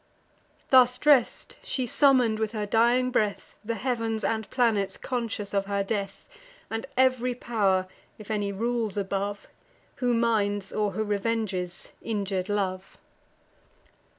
Thus dress'd, she summon'd, with her dying breath, The heav'ns and planets conscious of her death, And ev'ry pow'r, if any rules above, Who minds, or who revenges, injur'd love.